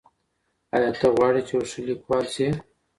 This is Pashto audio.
آیا ته غواړې چي یو ښه ليکوال سې؟